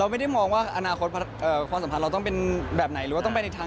เราไม่ได้มองว่าอนาคตความสัมพันธ์เราต้องเป็นแบบไหน